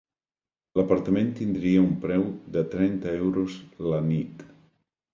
L'apartament tindria un preu de trenta euros la nit.